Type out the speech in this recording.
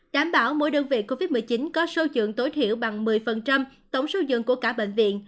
đảm bảo mỗi đơn vị covid một mươi chín có sâu dường tối thiểu bằng một mươi tổng sâu dường của cả bệnh viện